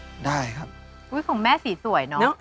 อันนี้ได้ไหมคะได้ครับอุ๊ยของแม่สีสวยเนอะ